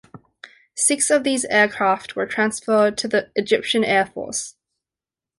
Six of these aircraft were transferred to the Egyptian Air Force.